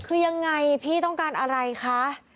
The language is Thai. คือยังไงพี่ต้องการอะไรคะ